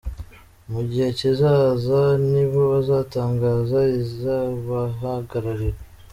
Mu gihe kizaza nibo bazatangaza uzabahagararira.